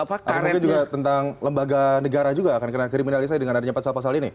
atau mungkin juga tentang lembaga negara juga akan kena kriminalisasi dengan adanya pasal pasal ini